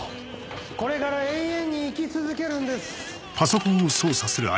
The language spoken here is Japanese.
これから永遠に生き続けるんです。